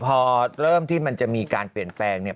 พอเริ่มที่มันจะมีการเปลี่ยนแปลงเนี่ย